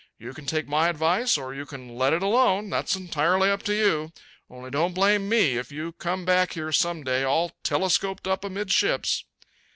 You can take my advice or you can let it alone. That's entirely up to you. Only don't blame me if you come back here some day all telescoped up amidships.